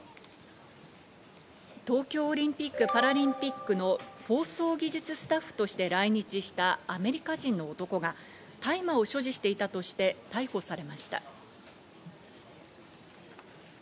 東京オリンピック・パラリンピックの放送技術スタッフとして来日したアメリカ人の男が、大麻を所持していたとして逮捕されました。